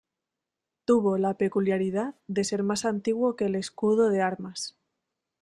Tuvo la peculiaridad de ser más antiguo que el escudo de armas.